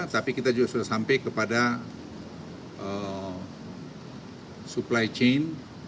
tapi kita juga sudah sampai kepada supply chain